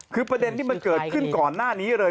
คือประเด็นที่มันเกิดขึ้นก่อนหน้านี้เลย